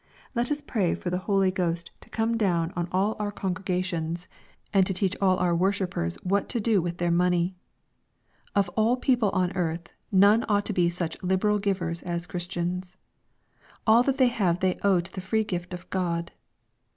Let us pray for the Holy Ghost to come down on all our congre 854 EXPOSITORY THOUGHTS. gations, and to teach all our worshippers what to do with their money. Of all people on earth, none ought to be such liberal givers as Christians. All that they have they owe to the free gift of God.